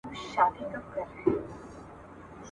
پرنګیانو د غازيانو په وړاندي ماته وخوړه.